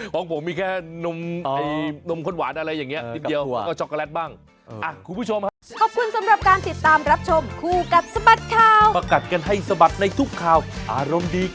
ของผมมีแค่นมข้นหวานอะไรอย่างนี้นิดเดียวก็ช็อกโกแลตบ้าง